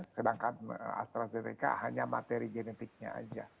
sedangkan astrazeneca hanya materi genetiknya aja